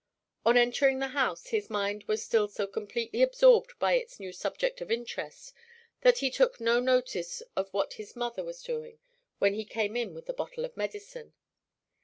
On entering the house, his mind was still so completely absorbed by its new subject of interest that he took no notice of what his mother was doing when he came in with the bottle of medicine.